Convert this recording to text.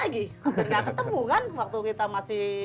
tidak ketemu kan waktu kita masih